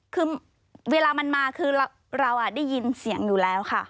คือเวลามันมาคือเราได้ยินเสียงอยู่แล้วค่ะ